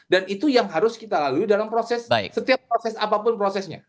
dan itu yang harus kita lalui dalam proses setiap proses apapun prosesnya